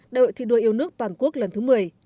đại hội thi đua yêu nước toàn quốc lần thứ một mươi